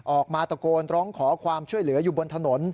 ออกมาตะโกนร้องขอความช่วยเหลืออยู่บนถนน